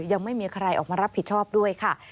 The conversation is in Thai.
ยังไม่มีใครออกมารับผิดชอบด้วยค่ะ